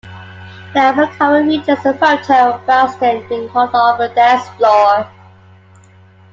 The album cover features a photo of Brownstein being hauled off a dance floor.